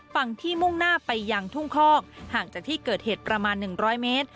ฝั่งที่มุ่งหน้าไปยังทุ่งคอกห่างจากที่เกิดเหตุประมาณ๑๐๐เมตร